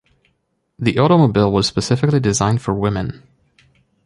The automobile was specifically designed for women.